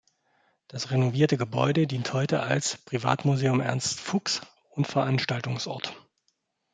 Das renovierte Gebäude dient heute als „Privatmuseum Ernst Fuchs“ und Veranstaltungsort.